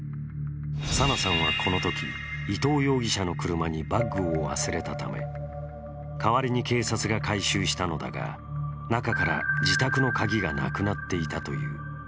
紗菜さんはこのとき、伊藤容疑者の車にバッグを忘れたため代わりに警察が回収したのだが中から自宅の鍵がなくなっていたという。